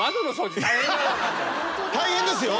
大変ですよ。